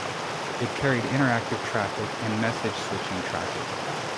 It carried interactive traffic and message-switching traffic.